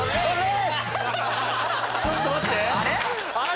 ちょっと待って！